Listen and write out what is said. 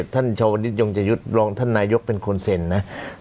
ท่านชาวนิทยงจะยุทธ์รองท่านนายกเป็นคนเซ็นนะ